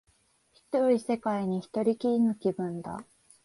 広い世界に一人きりの気分だ